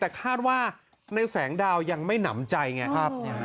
แต่คาดว่าในแสงดาวยังไม่หนำใจไง